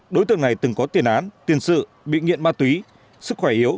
đối tượng này từng có tiền án tiền sự bị nghiện ma túy sức khỏe yếu